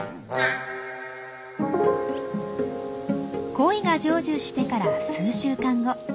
恋が成就してから数週間後。